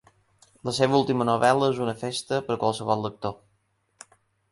La seva última novel·la és una festa per a qualsevol lector.